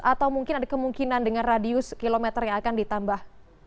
atau mungkin ada kemungkinan dengan radius kilometer yang akan ditambah